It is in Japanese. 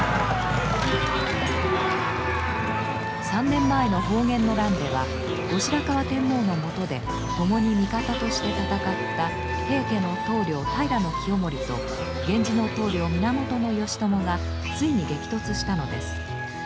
３年前の保元の乱では後白河天皇の下で共に味方として戦った平家の棟梁平清盛と源氏の棟梁源義朝がついに激突したのです。